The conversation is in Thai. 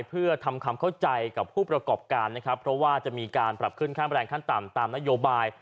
เพื่อทำความเข้าใจกับผู้ประกอบการนะครับเพราะว่าจะมีการปรับขึ้นค่าแรงขั้นต่ำตามนโยบาย